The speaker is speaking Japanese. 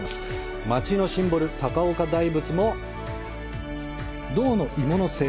町のシンボル、高岡大仏も銅の鋳物製。